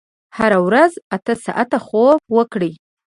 هره ورځ اته ساعته خوب وکړئ.